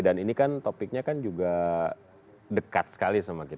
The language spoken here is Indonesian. dan ini kan topiknya juga dekat sekali sama kita